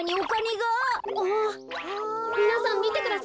あっみなさんみてください。